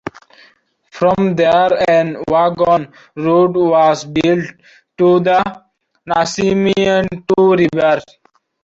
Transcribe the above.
From there an wagon road was built to the Nacimiento River.